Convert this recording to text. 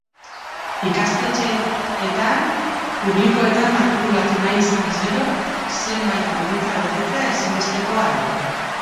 Ikastetxeetan publikoetan matrikulatu nahi izanez gero, zenbait baldintza betetzea ezinbestekoa da.